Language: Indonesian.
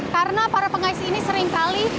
karena para pengais ini seringkali